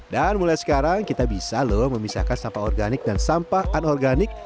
dan mulai sekarang kita bisa loh memisahkan sampah organik dan sampah anorganik